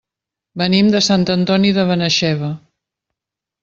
Venim de Sant Antoni de Benaixeve.